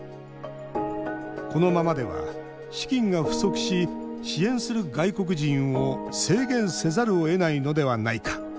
このままでは資金が不足し支援する外国人を制限せざるをえないのではないか。